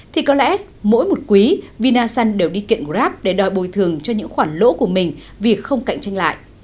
thì có lẽ mỗi một quý vinasun đều đi kiện grab để đòi bồi thường cho những khoản lỗ của mình vì không cạnh tranh lại